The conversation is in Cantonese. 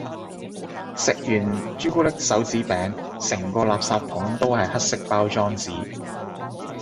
食完朱古力手指餅，成個垃圾桶都係黑色包裝紙